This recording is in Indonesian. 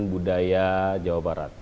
budaya jawa barat